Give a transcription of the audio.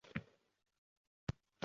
vaqt bor sinovga.